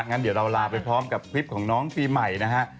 งั้นเดี๋ยวเราลาไปพร้อมกับคลิปของน้องปีใหม่นะฮะ